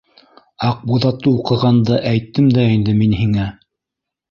«Аҡбуҙат»ты уҡығанда әйттем дә мин һиңә!